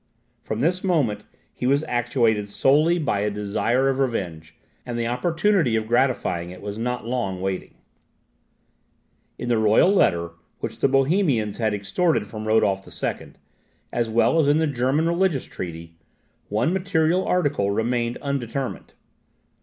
From this moment he was actuated solely by a desire of revenge; and the opportunity of gratifying it was not long wanting. In the Royal Letter which the Bohemians had extorted from Rodolph II., as well as in the German religious treaty, one material article remained undetermined.